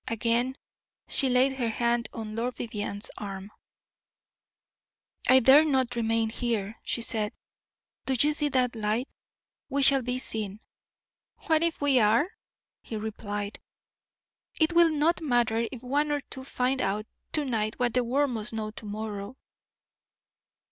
Again she laid her hand on Lord Vivianne's arm. "I dare not remain here," she said. "Do you see that light? We shall be seen." "What if we are?" he replied; "it will not matter if one or two find out to night what the world must know to morrow."